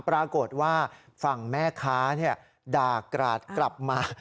ปรากฏว่าฝั่งแม่ค้าด่ากราดกลับมา